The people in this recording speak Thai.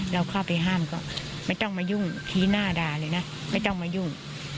เราเข้าไปห้ามก็ไม่ต้องมายุ่งชี้หน้าด่าเลยนะไม่ต้องมายุ่ง